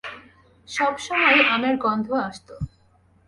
সব সময়ই আমের গন্ধ আসতো।